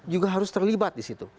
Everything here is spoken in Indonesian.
juga harus terlibat di situ